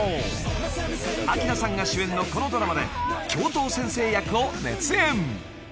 ［ＡＫＩＲＡさんが主演のこのドラマで教頭先生役を熱演］